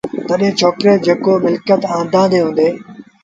تڏهيݩ ڇوڪري جيڪو با ملڪت آݩدآݩدي هُݩدي